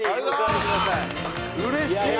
うれしい！